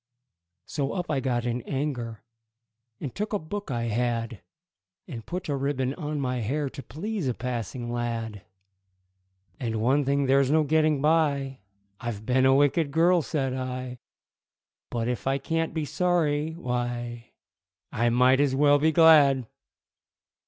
So up I got in anger, And took a book I had, And put a ribbon on my hair To please a passing lad. And, "One thing there's no getting by I've been a wicked girl," said I; "But if I can't be sorry, why, I might as well be glad!"